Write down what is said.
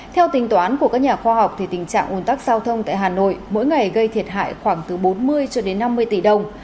theo tính toán của các nhà khoa học tình trạng ồn tắc giao thông tại hà nội mỗi ngày gây thiệt hại khoảng từ bốn mươi cho đến năm mươi tỷ đồng